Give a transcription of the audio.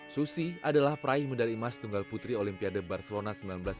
susi adalah praih medali emas tunggal putri olimpiade barcelona seribu sembilan ratus sembilan puluh